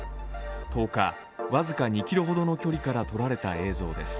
１０日、僅か２ｋｍほどの距離から撮られた映像です。